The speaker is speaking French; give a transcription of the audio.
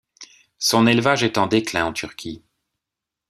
Son élevage est en déclin en Turquie.